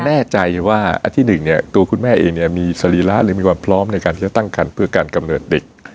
แน่ใจว่าอันที่หนึ่งเนี่ยตัวคุณแม่เองเนี่ยมีสรีระหรือมีความพร้อมในการที่จะตั้งคันเพื่อการกำเนิดเด็ก